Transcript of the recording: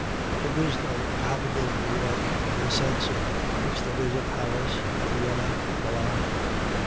There is no palpable New York in the sense in which there is a Paris, a Vienna, a Milan.